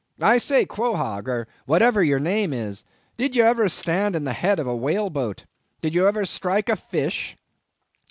I say, Quohog, or whatever your name is, did you ever stand in the head of a whale boat? did you ever strike a fish?"